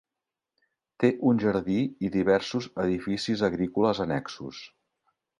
Té un jardí i diversos edificis agrícoles annexos.